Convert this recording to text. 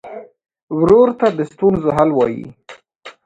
ورور ته د ستونزو حل وايي.